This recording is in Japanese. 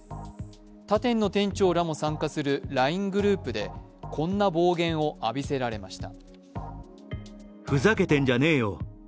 他店の店長らも参加するＬＩＮＥグループでこんな暴言を浴びせられました。